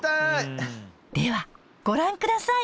ではご覧ください。